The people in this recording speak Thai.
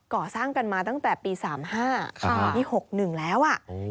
ก่อสร้างกันมาตั้งแต่ปี๓๕ปี๖๑แล้ว